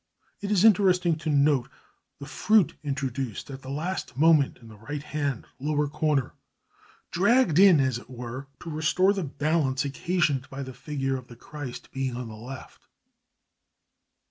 It is interesting to note the fruit introduced at the last moment in the right hand lower corner, dragged in, as it were, to restore the balance occasioned by the figure of the Christ being on the left.